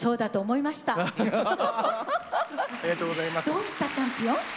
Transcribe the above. どういったチャンピオン？